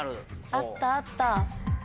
あったあった。